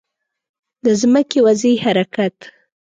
د ځمکې وضعي حرکت